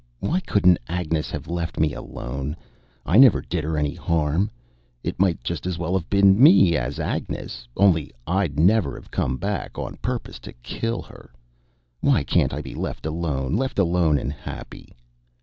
Why couldn't Agnes have left me alone? I never did her any harm. It might just as well have been me as Agnes. Only I'd never have come hack on purpose to kill her. Why can't I be left alone left alone and happy?"